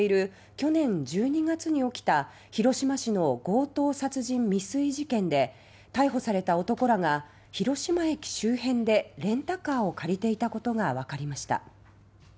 去年１２月に起きた広島市の強盗殺人未遂事件で逮捕された男らが広島駅周辺でレンタカーを借りていたことがわかりました。